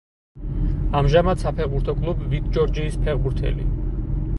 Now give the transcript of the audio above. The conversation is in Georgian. ამჟამად საფეხბურთო კლუბ „ვიტ ჯორჯიის“ ფეხბურთელი.